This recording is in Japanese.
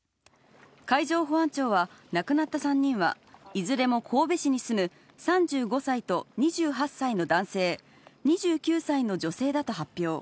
海上保安庁は、亡くなった３人は、いずれもこうべ市に住む、３５歳と２８歳の男性、２９歳の女性だと発表。